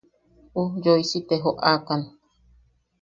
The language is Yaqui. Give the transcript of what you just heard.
Ujyooisi te joʼakan.